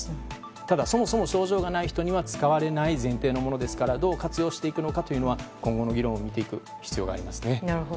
ただ、そもそも症状がない人には使われない前提のものですからどう活用していくのかは今後の議論を見ていく必要がありますね。